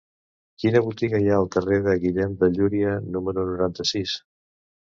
Quina botiga hi ha al carrer de Guillem de Llúria número noranta-sis?